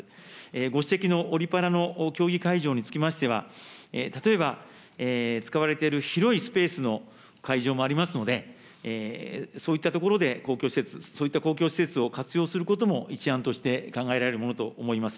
ご指摘のオリパラの競技会場につきましては、例えば、使われている広いスペースの会場もありますので、そういった所で、公共施設、そういった公共施設を活用することも一案として考えられるものと思います。